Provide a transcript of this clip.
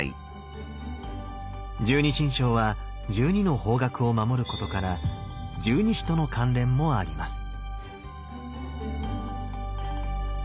十二神将は十二の方角を守ることから十二支との関連もあります。